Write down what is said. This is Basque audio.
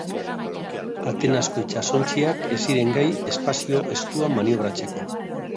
Atenasko itsasontziak ez ziren gai espazio estuan maniobratzeko.